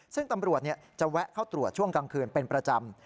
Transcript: ซึ่งตำรวจจะแวะเข้าตรวจช่วงกลางคืนเป็นประจำ